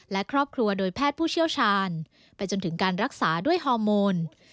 และครอบครัวโดยแพทย์ผู้เชี่ยวชาญไปจนถึงการรักษาด้วยฮอร์โมน